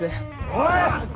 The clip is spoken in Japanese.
おい！